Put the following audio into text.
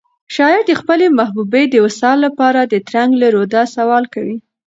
شاعر د خپلې محبوبې د وصال لپاره د ترنګ له روده سوال کوي.